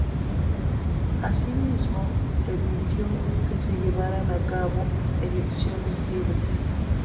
Asimismo, permitió que se llevaran a cabo elecciones libres.